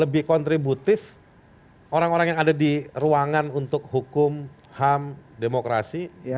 lebih kontributif orang orang yang ada di ruangan untuk hukum ham demokrasi